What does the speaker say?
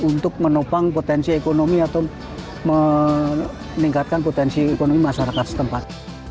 untuk menopang potensi ekonomi atau meningkatkan potensi ekonomi masyarakat setempat